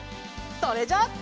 それじゃ。